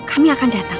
kami akan datang